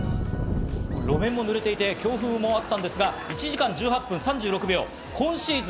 その池田選手、路面も濡れていて強風もあったんですが、１時間１８分３６秒、今シーズン